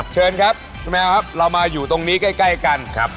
เชิญครับคุณแมวครับเรามาอยู่ตรงนี้ใกล้กันครับ